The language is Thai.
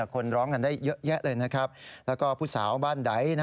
คนร้องกันได้เยอะแยะเลยนะครับแล้วก็ผู้สาวบ้านใด